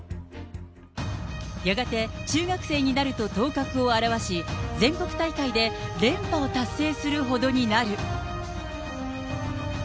やがて中学生になると頭角を現し、全国大会で連覇を達成するほどになる。